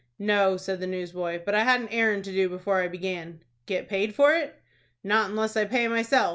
"No," said the newsboy; "but I had an errand to do before I began." "Get paid for it?" "Not unless I pay myself.